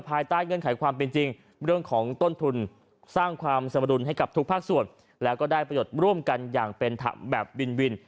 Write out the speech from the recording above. ภายใต้เงื่อนไขความเป็นจริงเรื่องของต้นทุนสร้างความสมรุนให้กับทุกภาคส่วนแล้วก็ได้ประโยชน์ร่วมกันอย่างเป็นแบบวินวิน